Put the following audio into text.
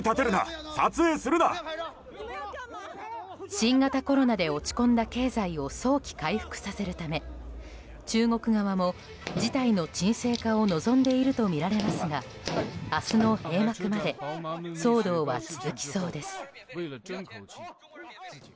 新型コロナで落ち込んだ経済を早期回復させるため中国側も事態の鎮静化を望んでいるとみられますが明日の閉幕まで騒動は続きそうです。